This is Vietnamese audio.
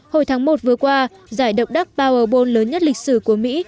hồi tháng một vừa qua giải độc đắc powerball lớn nhất lịch sử của mỹ